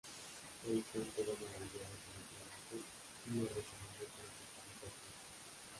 Einstein quedó maravillado con el trabajo y lo recomendó para su publicación.